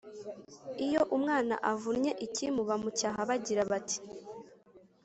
lyo umwana avu nnye ikimu bamucyaha bagira bati